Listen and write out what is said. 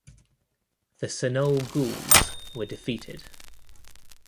The Senone Gauls were defeated.